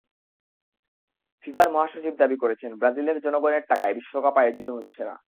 ফিফার মহাসচিব দাবি করেছেন, ব্রাজিলের জনগণের টাকায় বিশ্বকাপ আয়োজিত হচ্ছে না।